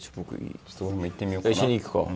俺も行ってみようかな。